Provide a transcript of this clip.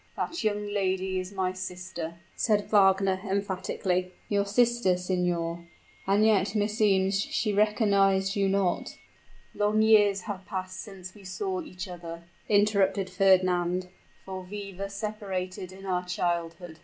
"That young lady is my sister," said Wagner, emphatically. "Your sister, signor! And yet, meseems, she recognized you not " "Long years have passed since we saw each other," interrupted Fernand; "for we were separated in our childhood."